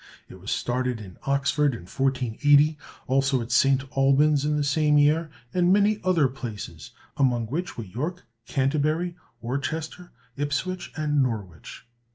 It was started in Oxford in 1480, also at St. Albans in the same year, and many other places, among which were York, Canterbury, Worcester, Ipswich, and Norwich.